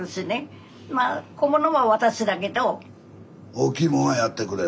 大きいもんはやってくれる。